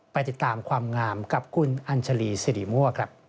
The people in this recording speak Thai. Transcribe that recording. ไปติดตามความงามกับคุณอันชลีศรีมั่ว